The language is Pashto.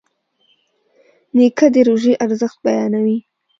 نیکه د روژې ارزښت بیانوي.